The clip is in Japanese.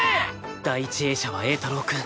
第１泳者は栄太郎くん